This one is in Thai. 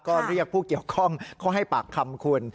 ก็เรียกผู้เกี่ยวข้องเข้าให้ปากคำคุณ